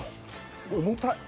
重たい。